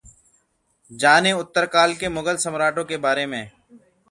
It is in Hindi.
जानें उत्तरकाल के मुगल सम्राटों के बारे में